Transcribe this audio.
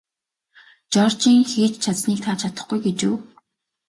Жоржийн хийж чадсаныг та чадахгүй гэж үү?